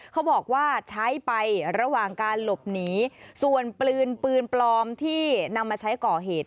เขาบอกว่าใช้ไประหว่างการหลบหนีส่วนปืนปืนปลอมที่นำมาใช้ก่อเหตุ